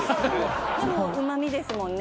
松本：でも、うまみですもんね。